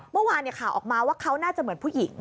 เมื่อวานข่าวออกมาว่าเขาน่าจะเหมือนผู้หญิง